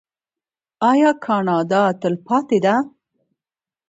آیا کاناډا تلپاتې نه ده؟